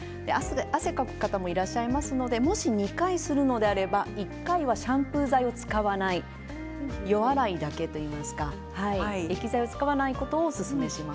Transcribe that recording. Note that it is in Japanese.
汗をかく方もいらっしゃいますのでもし２回するのであれば１回はシャンプー剤を使わない予洗いだけといいますか液剤を使わないことをおすすめします。